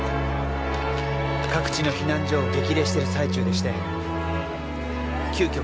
各地の避難所を激励してる最中でして急きょ